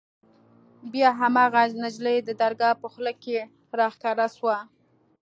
بيا هماغه نجلۍ د درګاه په خوله کښې راښکاره سوه.